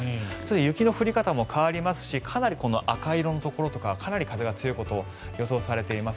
雪の降り方も変わりますしかなり赤色のところとかは風が強いことが予想されています。